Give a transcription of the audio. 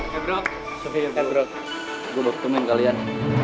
hai bro gue mau cuman kalian